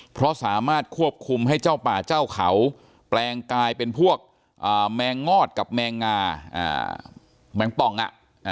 เพราะสามารถควบคุมให้เจ้าป่าเจ้าเขาแปลงกายเป็นพวกแมงงอดกับแมงงาแมงป่องอ่ะ